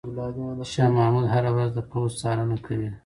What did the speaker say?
شاه محمود هره ورځ د پوځ څارنه کوي.